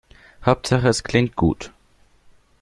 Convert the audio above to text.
Hauptsache es klingt gut.